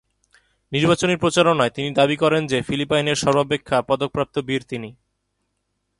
নির্বাচনী প্রচারণায় তিনি দাবী করেন যে, ফিলিপাইনের সর্বাপেক্ষা পদকপ্রাপ্ত বীর তিনি।